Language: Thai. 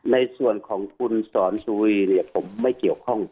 ในส่วนของคุณสอนสุรีเนี่ยผมไม่เกี่ยวข้อง